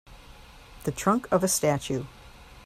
The trunk of a statue.